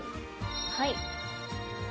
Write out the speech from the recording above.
はい。